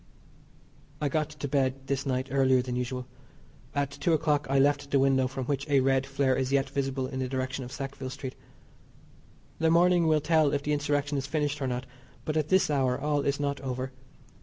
I got to bed this night earlier than usual. At two o'clock I left the window from which a red flare is yet visible in the direction of Sackville Street. The morning will tell if the Insurrection is finished or not, but at this hour all is not over.